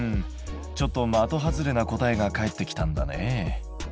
ちょっと的外れな答えが返ってきたんだね。